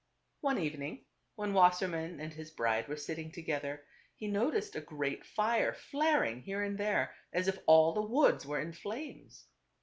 Tke Dr&.Qjorv \ One evening when Wassermann and his bride were sitting together, he noticed a great fire flaring here and there as if all the woods were' in flames.